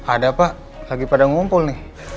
ada pak lagi pada ngumpul nih